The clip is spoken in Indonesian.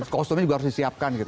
kostumnya juga harus disiapkan gitu